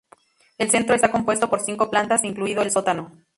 El centro está compuesto por cinco plantas, incluido el sótano.